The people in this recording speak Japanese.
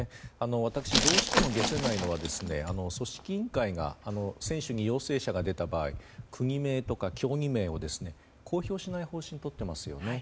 私、どうしても解せないのはですね組織委員会が選手に陽性者が出た場合国名とか競技名を公表しない方針をとっていますよね。